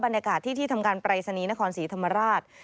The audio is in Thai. บรรยากาศที่ที่ทำการปรายศนีย์นครศรีธรรมราช